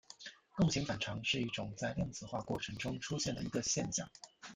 共形反常是一种在量子化过程中出现的一个现象。